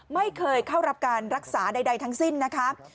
ไม่เคยเข้ารับการรักษาใดทั้งสิ้นนะคะ